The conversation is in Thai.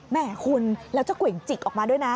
แม่คุณแล้วเจ้ากวยจิกออกมาด้วยนะ